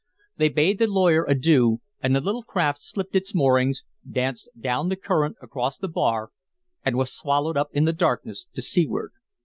They bade the lawyer adieu, and the little craft slipped its moorings, danced down the current, across the bar, and was swallowed up in the darkness to seaward.